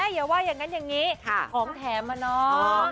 อย่าว่าอย่างนั้นอย่างนี้ของแถมอะเนาะ